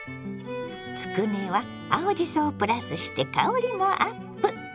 つくねは青じそをプラスして香りもアップ。